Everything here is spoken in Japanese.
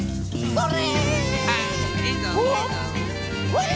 それ！